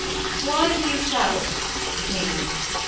'Why do ye travel?' the King asked.